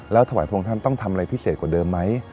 ถวายพระองค์ท่านต้องทำอะไรพิเศษกว่าเดิมไหม